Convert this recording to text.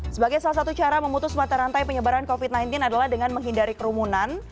sebagai salah satu cara memutus mata rantai penyebaran covid sembilan belas adalah dengan menghindari kerumunan